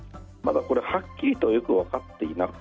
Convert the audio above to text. はっきりとよく分かっていません。